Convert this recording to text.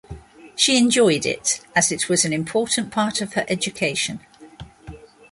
She enjoyed it, as it was an important part of her education.